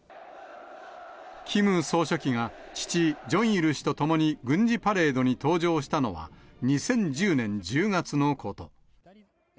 キム総書記が父、じょんいる氏と共に軍事パレードに登場したのは、２０１０年１０月のこと。